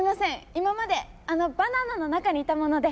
今まであのバナナの中にいたもので。